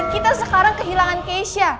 kita sekarang kehilangan keisha